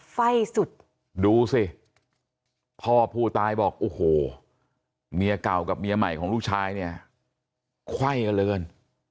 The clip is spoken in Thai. ไฟ่สุดดูสิพ่อผู้ตายบอกโอ้โหเมียเก่ากับเมียใหม่ของลูกชายเนี่ยไขว้กันเหลือเกิน